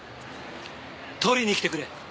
取りに来てくれ。